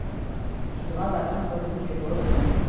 • لمر د اقلیم په بدلون کې رول لري.